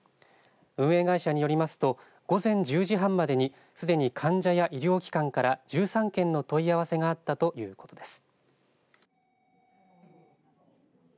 運営会社によりますと午前１０時半までにすでに患者や医療機関から１３件の問い合わせがあったということです。